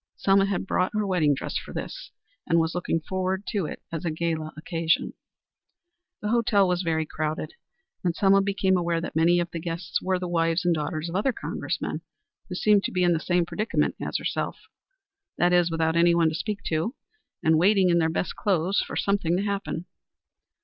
Selma had brought her wedding dress for this, and was looking forward to it as a gala occasion. The hotel was very crowded, and Selma became aware that many of the guests were the wives and daughters of other Congressmen, who seemed to be in the same predicament as herself that is, without anyone to speak to and waiting in their best clothes for something to happen.